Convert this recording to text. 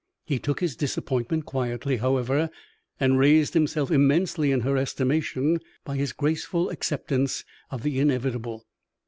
He took his disappointment quietly, however, and raised himself immensely in her estimation by his graceful acceptance of the inevitable.